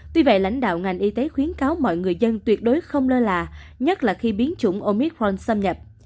tuy vậy lãnh đạo ngành y tế khuyến cáo mọi người dân tuyệt đối không lơ là nhất là khi biến chủng omit hon xâm nhập